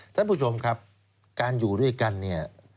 ท่านผู้ชมครับการอยู่ด้วยกันเนี่ย